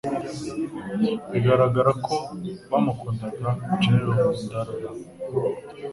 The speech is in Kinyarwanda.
bigaragara ko bamukundaga General Nkunda Laurent.